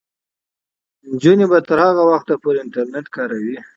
نجونې به تر هغه وخته پورې انټرنیټ کاروي.